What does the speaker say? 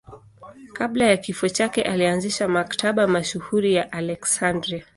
Kabla ya kifo chake alianzisha Maktaba mashuhuri ya Aleksandria.